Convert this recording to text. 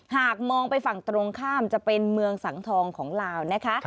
หากมองไปฝั่งตรงข้ามจะเป็นเมืองสังทองของลาวนะคะ